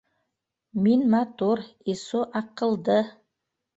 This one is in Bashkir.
Мин матур, иссу аҡылды.